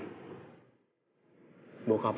bokap lo dan kak rahman